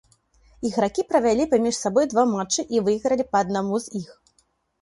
Ігракі правялі паміж сабой два матчы і выйгралі па аднаму з іх.